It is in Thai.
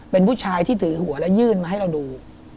เป็นผู้ชายที่ถือหัวและยื่นมาให้เราดู